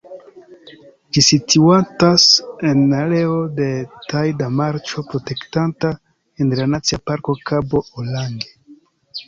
Ĝi situantas en areo de tajda marĉo protektata en la Nacia Parko Kabo Orange.